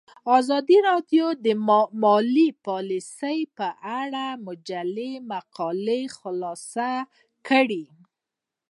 ازادي راډیو د مالي پالیسي په اړه د مجلو مقالو خلاصه کړې.